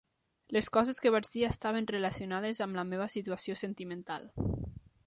Les coses que vaig dir estaven relacionades amb la meva situació sentimental.